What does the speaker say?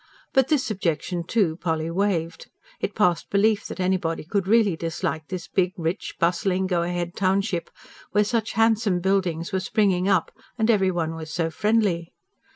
But this objection, too, Polly waived. It passed belief that anybody could really dislike this big, rich, bustling, go ahead township, where such handsome buildings were springing up and every one was so friendly.